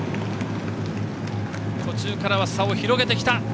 途中からは差を広げてきた。